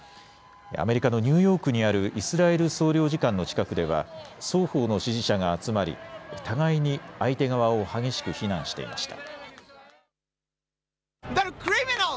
アメリカのニューヨークにあるイスラエル総領事館の近くでは双方の支持者が集まり、互いに相手側を激しく非難していました。